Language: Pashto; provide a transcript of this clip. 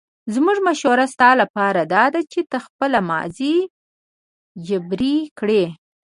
زموږ مشوره ستا لپاره داده چې ته خپله ماضي جبیره کړه.